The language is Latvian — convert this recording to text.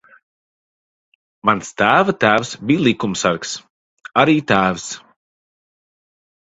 Mans tēva tēvs bija likumsargs. Arī tēvs.